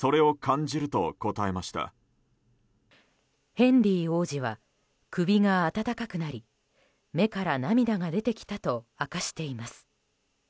ヘンリー王子は首が温かくなり目から涙が出てきたと明かしています。